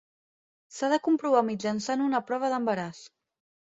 S'ha de comprovar mitjançant una prova d'embaràs.